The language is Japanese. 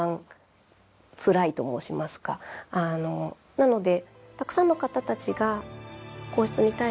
なので。